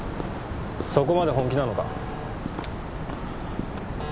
そこまで本気なのか？